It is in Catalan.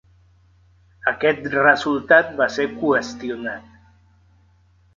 Aquest resultat va ser qüestionat.